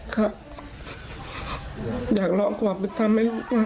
ครับอยากร้องความเป็นธรรมให้ลูกว่า